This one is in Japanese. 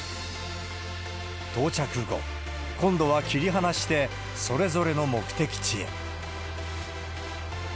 到着後、今度は切り離して、それぞれの目的地へ。